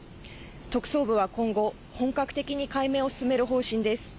特捜部は今後、本格的に解明を進める方針です。